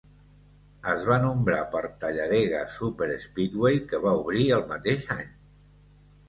Es va nombrar per Talladega Superspeedway, que va obrir el mateix any.